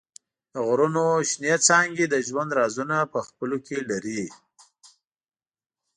د غرونو شنېڅانګې د ژوند رازونه په خپلو کې لري.